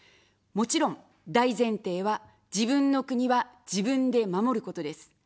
もちろん大前提は、自分の国は自分で守ることです。